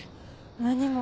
何も。